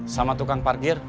sama tukang parkir